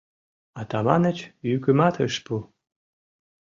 Атаманыч йӱкымат ыш пу.